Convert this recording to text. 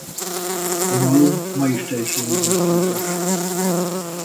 A malom ma is teljesen üzemképes.